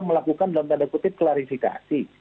melakukan dalam tanda kutip klarifikasi